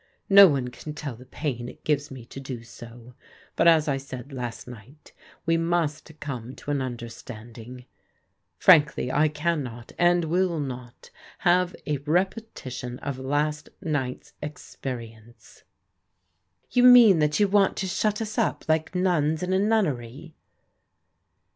" No one can tell the pain it gives me to do so ; but as I said last night, we must come to an tmderstanding. Frankly I cannot, and zvUl not, have a repetition of last night's experience." " You mean that you want to shut us up like nuns in a nunnery